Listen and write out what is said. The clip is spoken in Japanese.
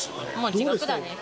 地獄だね。